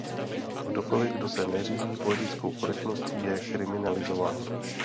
Kdokoli, kdo se neřídí politickou korektností, je kriminalizován.